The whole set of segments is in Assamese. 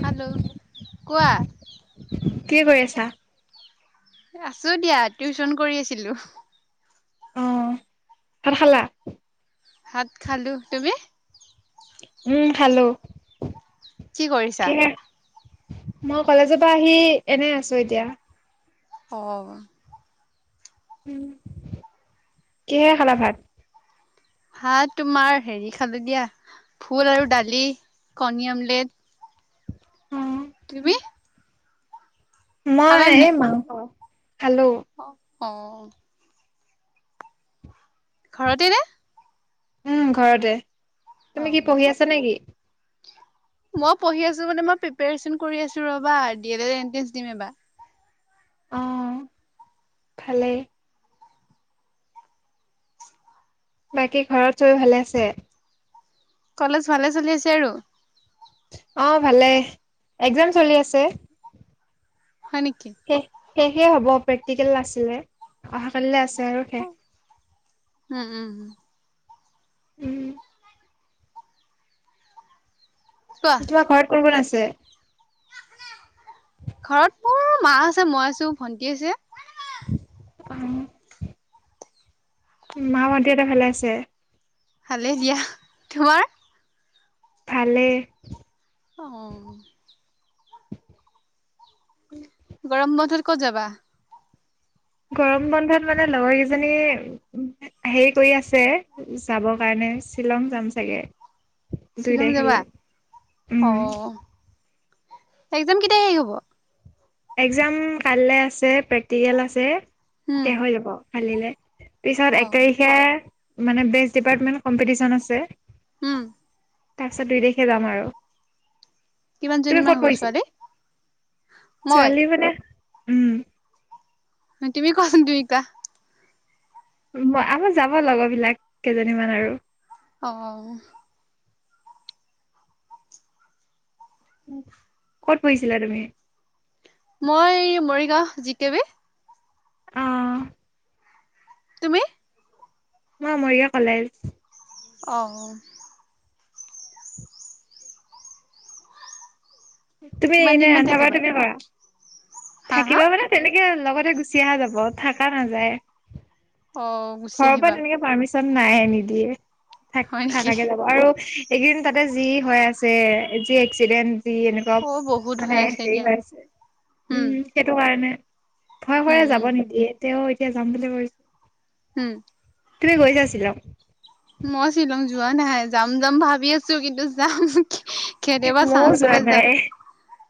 হেল্ল', কোৱা। কি কৰি আছা। আছো দিয়া, টিউচন কৰি আছিলো। অ', ভাত খালা?। ভাত খালো। তুমি? উম', খালো। কি কৰিছা? মই কলেজপা আহি, এনে আছো এতিয়া। অহ'। [inaudible] কিহেৰে খালা ভাত? ভাত তোমাৰ, হেৰি খালো দিয়া। ফুল আৰু ডালি, কণী আমলেট। তুমি? মই খালানে এই নাই মাংস, খালো। অহ'। ঘৰতেই নে? উম', ঘৰতে। অ তুমি কি পঢ়ি আছা নেকি? মই পঢ়ি আছো মানে মই প্ৰিপেৰেচন কৰি আছো ৰ'বা, দি এল এড এন্ট্ৰেন্ছ দিম এইবাৰ। অহ', ভালে। বাকী, ঘৰত চবেই ভালে আছে? কলেজ ভালে চলি আছে আৰু। অ', ভালে। একজাম চলি আছে। হয়, নেকি। শেষ শেষে হ'ব প্ৰেক্টিকেল আছিলে, অহাকাইলে আছে। আৰু [inaudible] শেষ। উম', উম', উম'। উম'। কোৱা তোমাৰ ঘৰত কোন-কোন আছে? ঘৰত মোৰ মা আছে, মই আছো ভন্টি আছে। [inaudible] অ'। মা ভন্টিহাতে ভালে আছে। ভালে দিয়া, তোমাৰ? ভালে। অ'। গৰম বন্ধত ক'ত যাবা? গৰম বন্ধত মানে লগৰ কেইজনী, হেৰি কৰি আছে, যাবৰ কাৰণে। এ শ্বিলং যাম চাগে। দুই শ্বিলং যাবা? তাৰিখলে, উম'। এক্জাম কেতিয়া শেষ হ'ব। এক্জাম কাইলে আছে, প্ৰেক্টিকেল আছে, উম শেষ হৈ যাব কালিলে। পিছত অ এক তাৰিখে, মানে বেচ ডিপাৰ্টমেন্ট কম্পিটিচন আছে। হ'ম। তাৰপিছত দুই তাৰিখে যাম আৰু। তুমি কিমানজনী মান ক'ত হ'ব পঢ়িছিলা ছোৱালী? মই ছোৱালী মানে, উম'। তুমি কোৱাচোন, দুইটা। ম-আমাৰ যাব লগ বিলাক, কেইজনীমান আৰু। অহ'। ক'ত পঢ়িছিলা তুমি? মই মৰিগাঁও জি কে বি অ তুমি ম মৰিগ কলেজ অহ, তুমি কিমান এনে দিন মান ৰান্ধাবাৰা থাকিবা? তুমি কৰা হা হা থাকিবা মানে তেনেকে লগতে গুচি অহা যাব থকা নাযায়। অ গুচি আহ আহিবা চব নাই নিদিয়ে থাক হয় নেকি? থাকাকে যাব আৰু। এইকেইদিন তাতে যি হৈ আছে যি এক্সিডেণ্ট যি অপ অ বহুত মানে হৈ আছে দিয়া হেৰিছে উম সেইটো কাৰণে ভয় উম খয় যাব উম নিদিয়ে তেওঁ এতিয়া যাম বুলি কৈছে। হম তুমি গৈছাছিলা। মই শ্বিলং যোৱা নাই যাম যাম ভাবি আছো কিন্তু যাম কেতিয়াবা মইও চান্স যোৱা পালে যাম নাই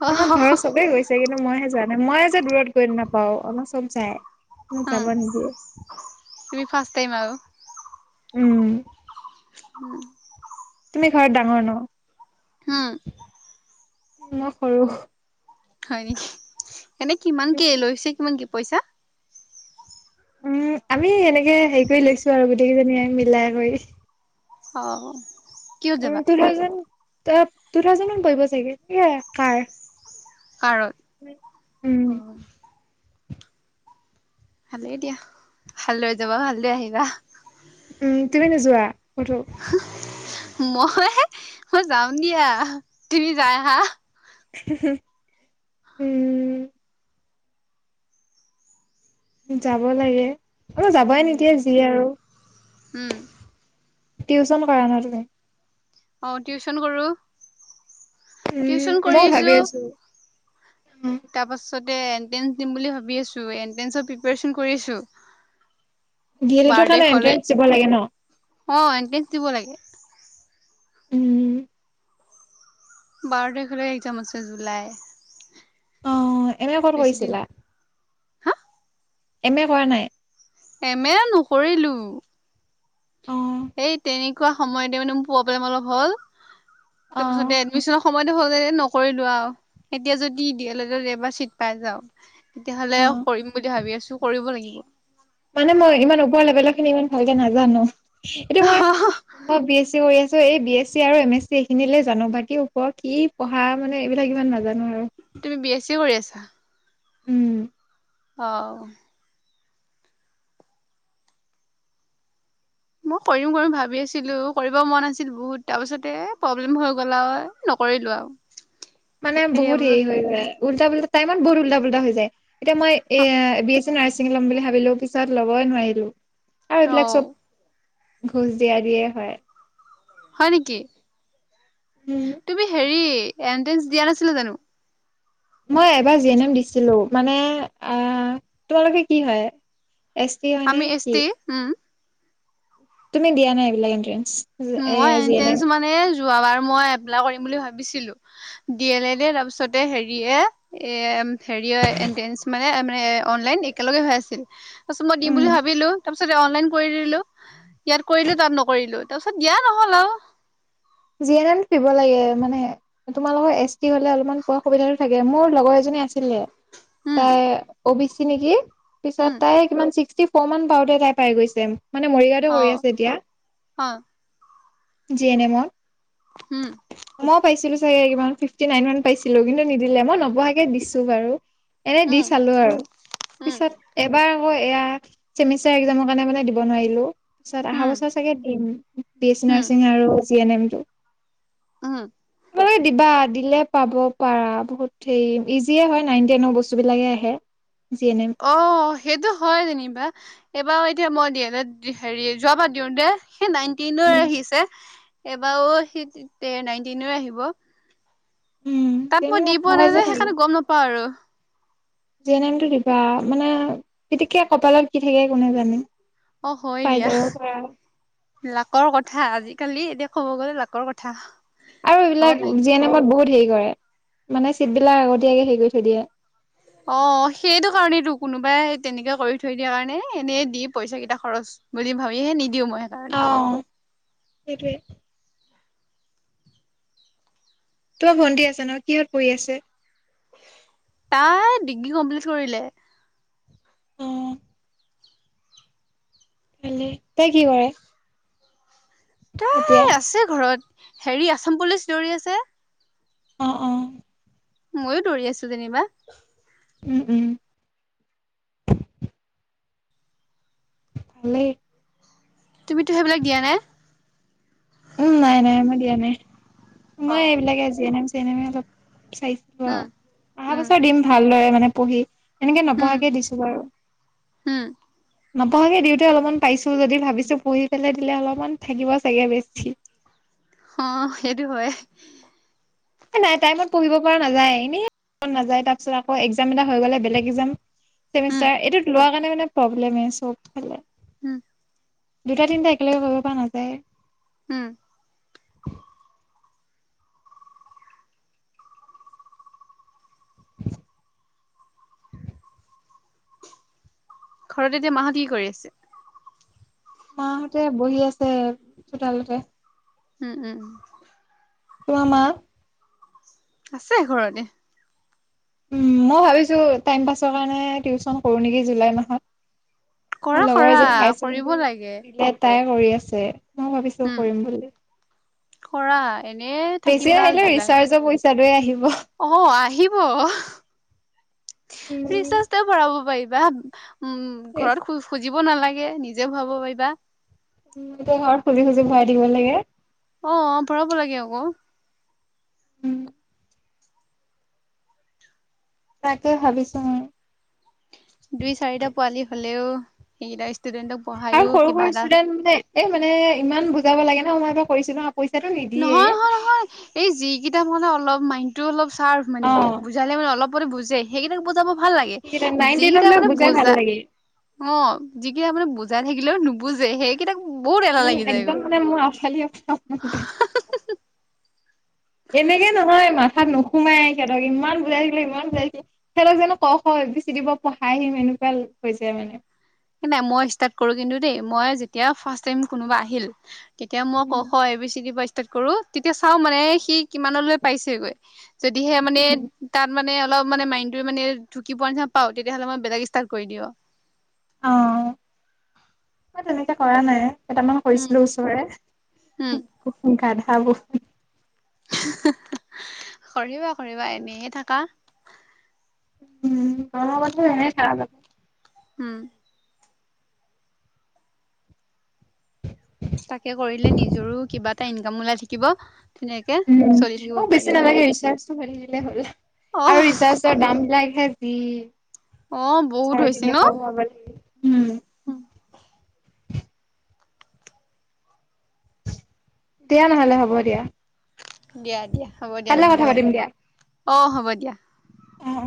অ আমাৰ ঘৰৰত চবে গৈছেগে কিন্তু মইহে যাৱা নাই মই হে যে দূৰত গৈ নাপাও আমাৰ চব যায় উম, যাব নিদিয়ে। তুমি ফাৰ্ষ্ট টাইম আৰু। উম উম, তুমি ঘৰত ডাঙৰ ন। হম উ মই কৰৰুো হয় নেকি এনে কিমান কি লৈছে কিমান কি পইচা। উম, আমি এনেকে হেৰি কৰি লৈছো আৰু গোটেই কেইজনীয়ে মিলাই কৰি। অ কিহত যাবা? তু থাউজেণ্ড তু থাউজেণ্ড পৰিব চাগে কাৰ কাৰণ উম, ভালেই দিয়া ভাল লৈ যাবা ভালদৈ আহিবা উম, তুমি নোযোৱা কটো মই মই যাাম দিয়া তুমি যাই হা উম যাব লাগে অল যাবাই উম, নিকিয়ে যি আৰু উম, টিউচন কৰা ন তুমি। অ টিউচন কৰো টিউচন উম কৰি মই ভাবি আছো তাৰ পাছতে এন্ট্ৰেন্স দিম বুলি ভাবি আছো। ডি এল এডৰ বাৰডে কাৰণে হলে এন্ট্ৰেন্স দিব লাগে ন? অ এনট্ৰেঞ্চ দিব লাগে। উম, বাৰ তাৰিখলৈ এক্সাম আছে জুলাই। অহ এম এ কত বেছি দিন কৰিছিলা? এম এ কৰা নাই এম এ নকৰিলো অ', এই তেনে সময়তে মানে ম পোৱা প অলপ হল তাৰ অ', পিছতে এমিনৰয় মইতো স নকৰিলো আৰু এতিয়া যদি দি এল লেড ট এবাৰ চিট পাই যাও। তেতিয়াহলে অ'। কৰিম বুলি ভাবি আছো কৰিব লাগিব। মানে মই ইমান ওপৰ লেভেলৰ খিনি ইমান ভালকে নাজানো এটো মই, মই বি এছি কৰি আছো এই বি এছ চি আৰু এম এছ চি এইখিনিলে জানো বাকী ওপৰ কি পঢ়া মানে এইবিলাক ইমান নাজানো আৰু তুমি বি এছ চি কৰি আছা উম, অঁ মই কৰিম কৰিম ভাবি আছিলো কৰিব মন আাছিল বহুত তাৰ পাছতে প্ৰব্লেম হৈ গ'লাঐ কৰিলো আৰু। মানে হেৰিয়া বহুত বোলো হেৰি হৈ যায় উল্টা উ্টা টাইমত বহুত উল্টা প্টা হৈ যায় এতিয়া মই এ বি নাৰ্ছিং ল'ম বুলি ভাবিলোও পিছত ল'বই নোৱাৰিলো আৰু অ এইবিলাক চব ঘোচ দিয়া দিয়ে হয় হয় নেি উম না জো মই এবাৰ জি এন এম দিছিলো মানে আহ তোমালোকে কি হয়? এছ টি হয়নে আমি এছ কি? টি উম তুমি দিয়া নাই এইবিলাক এণ্ট্ৰেন্ঞ্চ মই এতে আছো মানে যোৱাবাৰ মই এপ্লাই কৰিম বুলি ভাবিছিলো দি এল লেদ তাৰপিছতে হেৰি এ-এ হেৰি এটে মানে অনলাইন একেলগে হৈ আছিল তাৰ পাছত মই দিম এম বুলি উম ভাবিলো তাৰ পিছত অনলাইন কৰি দিলো ইয়াত কৰিলো তাত নকৰিলো। তাৰপিছত দিয়া নহ'ল আৰু। জি এন এম পিব লাগে মানে তোমালোকৰ এছ টি হলে অলপমান পোৱা সুবিধাটো থাকে মোৰ লগৰ এজনী আছিলে উম তাই। অ' বি চি নেকি পিছত উম তাই কিমান ছিক্সটি ফ'ৰ মান পাওঁতে তাই পাই গৈছে মানে মৰিগাঁৱতে অ কৰি আছে এতিয়া অ জি এন এমত উম মই পাইছিলো চাগে ফিফটি নাইন মান পাইছিলো কিন্তু নিদিলে মই নবহাকে দিছো বাৰু এনে দি উম চালো আৰু উম পিছত এবাৰ আকৌ এয়া চেমিষ্টাৰ এক্সাম ৰ কাৰণে মানে দিব নোৱাৰিলো পিছত অহা উম বছৰ চাগে দিম। বি এছ চি উম নাৰ্ছিং আৰু জি এন এম উম পঢ়ি দিবা দিলে পাব পাৰা বহুত হেৰি ইজিয়ে হয় নাইনটেনৰ বস্তু বিলাকে আহে। জি এন অ সেইটো হয় দে নিি বা এইবাৰ এতিয়া মই দি এল লেড হেৰি যোৱ বাতিও দে সেই নাইনটিন এম আহিছে। এবাৰো সি নাইনটিন আহিব উম তাত তেনে মই দি পোৱা নাই সহজে যে হয়ে সেইকাৰণে গম নাপাওঁ আৰু জে নামটো দিব বা মানে তেতিকে কপালত কি থাকে কোনে জানে অ হয় পাই দিয়া যাব পাৰা লাকৰ কথা কথা আজিকালি এতিয়া ক'ব গ'লে লাকৰ কথা। আৰু হ'ব এইবিলাক লাগে জি এন এমত বহুত হেৰি কৰে মানে চিটবলাক আগতীয়াকে হেৰি কৰি থৈ দিয়ে অ, সেইটো কাৰণেইেতো কোনোবাই তেনেকে কৰি থৈ দিয়া কাৰণে এনে দি পইচা কেইটা খৰচ বুলি ভাবিহে নিদিও মই সেইকাৰণে সেইটোৱে তোমাৰ ভণ্টি আচেনে কিহত পৰি আছে। তাই ডিগ্ৰী কমপ্লিট কৰিলে অ খি তই কি কৰে এতিয়া তাই আছে ঘৰত হেৰি আসাম পুলিচ দৌৰি আছে অ-অ ময়ো দৌৰি আছো যেনিবা। উম উম ভালে তুমিতো সেইবিলাক দিয়াানে উম, নাই-নাই মই দিয়া নাই অ মই এইবিলাকে জি নম চি নম অলপ চাইছিলো আৰু উম আহা উম বছৰ দিম ভালদৰে মানে পঢ়ি। এনেকে নপঢ়াকে দিছো বাৰু। হম। নপঢাকে দিওঁতে অলপমান পাইছো যদি ভাবিছো পঢ়ি পেলাই দিলে অলপমান থাকিব চাগে বেছি অ', সেইটো হয়। নাই টাইমত পঢ়িব পৰা নাযায় এনেই নাযায় তাৰপিছত আকৌ এক্সাম এটা হৈ গ'লে বেলেগ এক্সাম উম মষ্টাৰ এইটো লোৱাৰ কাৰণে মানে প্ৰব্লেম চবফালে হম। দুটা তিনিটা একেলগে কৰিব পৰা নাযায় উম। [unintelligible] ঘৰত এতিয়া মাহত কি কৰি আছে? মাহঁতে বহি আছে চোতালতে উম, উম, উ তোমাৰ মা আছে ঘৰতে। মই ভাবিছোঁ টাইম পাছৰ কাৰণে টিউশচন কৰোঁ নেকি জুলাই মাহত কৰা লগৰ কৰা এজনী কৰিব [unintelligible] লাগে দিলে তাই কৰি আছে মই ভাবিছো কৰিম বুলি কৰাই বেছি আহিলে ৰিচাৰ্জৰ পইচাটোয়ে অ আহিব উম ৰিচাৰ্ছ ভৰাব পাৰিব কিবা উম ঘৰত খুজিব নালাগে নিজে ভৰাাব পাৰিবা এতিয়া ঘৰত খুজি, খুজি ভৰাই দিব লাগে অ', অ', ভৰাব লাগে আকৌ উম। তাকে ভাবিছোঁ। দুই চাৰিটা পোৱালি হলেও সেইকেইটা ষ্টুডেন্টক আৰু পঢ়ায়ো সৰু কিবা সৰু এটা ষ্টুডেণ্ট মানে এ মানে ইমান বুজাব লাগে ন কৰিছিলো হা পইচাটো নিদিয়ে নহয়, নহয়, নহয়। এই যিকেইটা মানে অলপ। অলপ মাইণ্ডটো অলপ চাৰ্ফ অ মানে বুজালে মানে অলপ বুজে সেইকেইাক বুজাব ভাল লাগে নাইন টেনৰ যিকেইটা বিলাক মানে বুজাই ভাল বুজা লাগে অ যিকেইটা মানে বুজাই থাকিলেও নুবুজে সেইকেইটাক বহুত এনা উম লাগি একদম যায়গৈ মানে মোৰ আউফালি আউফালি তাত নোসোমাই সিহঁতক ইমান বুজাইছিলো ইমান বুজাইছিলে সিহঁতক [unintelligible] কি ভাল হৈছে মানে নাই মই ষ্টাৰ্ট কৰো কিন্তু দেই মই যেতিয়া ফাৰ্ষ্ট টাই কোনোবা আহিল কেতিয়া মই, ক উম, খ এ বি চি ডি ৰ পৰা ষ্টাৰ্ট কৰো। তেতিয়া চাও মানে, সি কিমানলৈ পাইছেগৈ? যদিহে মানে তাত মানে অলপ মানে মাইন্ত মানে ঢুকি পোৱাৰ নিচিনা পাওঁ তেতিয়'লে মই বেলেগ ষ্টাট্ কৰি দিওঁ ম তেনেকে কৰা নাই কেইটামান উম, কৰিছিলো উম, ওচৰে খাব [unintelligible] কৰিবা, কৰিবা এনেয়ে থাকা উম, অ', [unintelligible] হম। তাকে কৰিলে নিজৰো কিবা এটা ইনকাম ওলাই থাকিব ধুনীয়াকে উ, চলি থাকিব মোক বেছি পাৰিবা নালাগে ৰিচাৰজটো ভাল দিলে হ'ল আৰু অ', ৰিচাৰজৰ দাম বিলাক ভি অ', বহুত চাৰে হৈছে ন? [unintelligible] দিয়া নহলে হ'ব দিয়া দিয়া, দিয়া হ'ব দিয়া, কাইলৈ কথা নহলে অ', হ'ব দিয়া আহ।